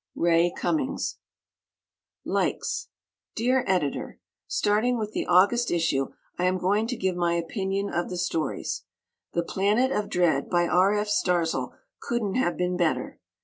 Ray Cummings. Likes Dear Editor: Starting with the August issue, I am going to give my opinion of the stories. "The Planet of Dread," by R. F. Starzl, couldn't have been better.